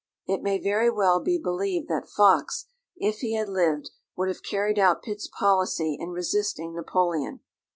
It may very well be believed that Fox, if he had lived, would have carried out Pitt's policy in resisting Napoleon.